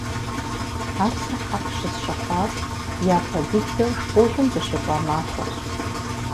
Ар сэ хьэкъ щысщыхъуар япэ дыдэу школым дыщыкӀуа махуэрщ.